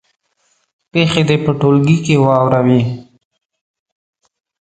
پېښې دې په ټولګي کې واوروي.